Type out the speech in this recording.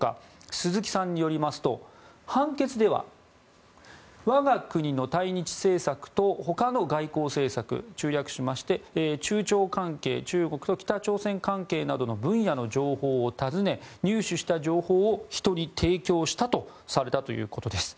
鈴木さんによりますと判決では我が国の対日政策と他の外交政策中略しまして、中国と北朝鮮関係などの情報を尋ね入手した情報を人に提供したとされたということです。